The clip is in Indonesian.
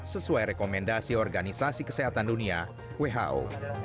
sesuai rekomendasi organisasi kesehatan dunia who